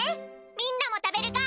みんなも食べるか？